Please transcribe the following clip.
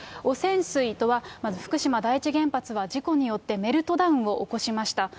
汚染水とは、まず福島第一原発は事故によってメルトダウンを起こしました。